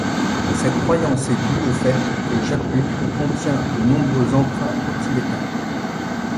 Cette croyance est due au fait que japhug contient de nombreux emprunts au tibétain.